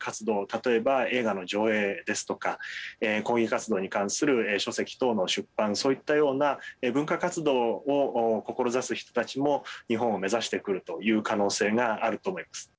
例えば、映画の上映ですとか抗議活動に関する書籍等の出版そういったような文化活動を志す人たちも日本を目指してくるという可能性があると思います。